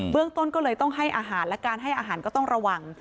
เรื่องต้นก็เลยต้องให้อาหารและการให้อาหารก็ต้องระวัง